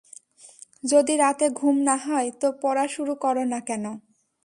যদি রাতে ঘুম না হয়, তো পড়া শুরু করো না কেন?